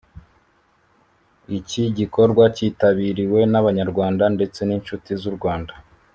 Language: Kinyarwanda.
Iki gikorwa cyitabiriwe n’Abanyarwanda ndetse n’inshuti z’u Rwanda